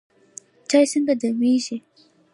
چای څنګه دمیږي؟